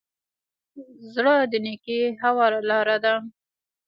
زړه د نېکۍ هواره لاره ده.